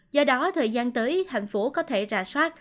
do đó thời gian tới thành phố có thể rà soát